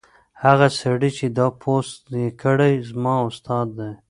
هغه سړی چې دا پوسټ یې کړی زما استاد دی.